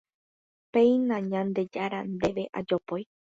Péina Ñandejára Ndéve ajopói